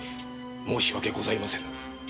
申し訳ございません。